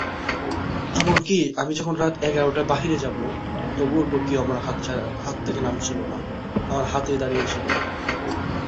তিনি বিভিন্ন অনুষ্ঠানে মোটরসাইকেল ঝুঁকির ব্যাপারে বক্তৃতা দিয়ে মানুষকে এই বিষয়ে আরো নিরাপত্তা গ্রহণ করার কথা বলেছিলেন।